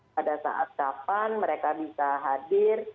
pada saat kapan mereka bisa hadir